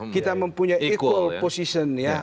kita mempunyai equal position ya